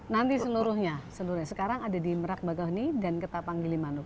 nanti seluruhnya sekarang ada di merag bakau nih dan ketapang gilimanuk